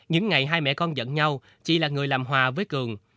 những ngày hai mẹ con dẫn nhau chị là người làm hòa với cường